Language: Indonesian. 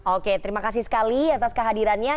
oke terima kasih sekali atas kehadirannya